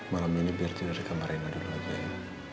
malam ini biar tidur di kamar reina dulu aja ya